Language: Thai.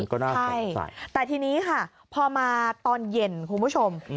ก็น่าใช่แต่ทีนี้ค่ะพอมาตอนเย็นคุณผู้ชม